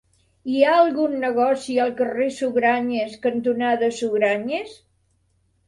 Hi ha algun negoci al carrer Sugranyes cantonada Sugranyes?